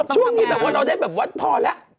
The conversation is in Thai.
ช่วงนี้เราได้พอแล้ว